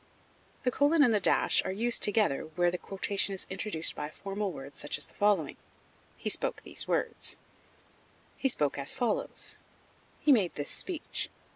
The colon and the dash are used together where the quotation is introduced by formal words such as the following: "He spoke these words," "he spoke as follows," "he made this speech."